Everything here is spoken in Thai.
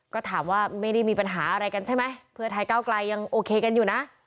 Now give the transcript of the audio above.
ก็ถามว่าไม่ได้มีปัญหาอะไรกันใช่ไหมเพื่อไทยก้าวไกลยังโอเคกันอยู่นะ